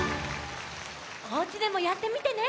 おうちでもやってみてね！